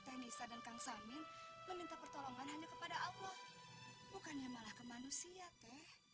teknis adegan saming meminta pertolongan hanya kepada allah bukannya malah ke manusia teh